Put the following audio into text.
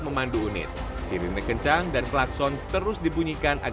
memanfaatkan mobil yang di depan untuk memanfaatkan mobil yang di depan untuk memanfaatkan mobil yang